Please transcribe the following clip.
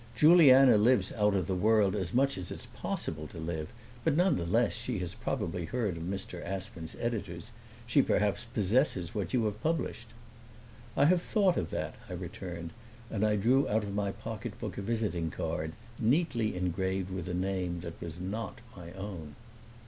"Juliana lives out of the world as much as it is possible to live, but none the less she has probably heard of Mr. Aspern's editors; she perhaps possesses what you have published." "I have thought of that," I returned; and I drew out of my pocketbook a visiting card, neatly engraved with a name that was not my own.